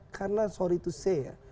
karena minta maaf itu saya